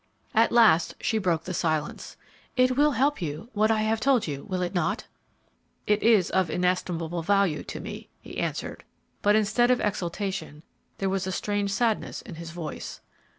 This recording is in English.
At last she broke the silence. "It will help you what I have told you will it not?" "It is of inestimable value to me," he answered, but instead of exultation, there was a strange sadness in his voice.